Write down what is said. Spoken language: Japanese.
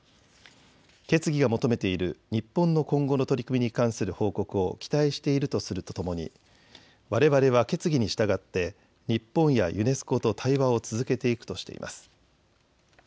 決議を求めている日本の今後の取り組みに関する報告を期待しているとするとともにわれわれは決議に従って日本やユネスコと対話を続けていくとしています。